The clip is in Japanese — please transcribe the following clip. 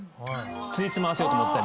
つじつま合わせようと思ったり。